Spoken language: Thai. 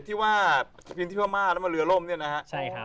ที่ว่าพิมพ์เสียมาแล้วมันเหลือร่มเนี่ยนะครับ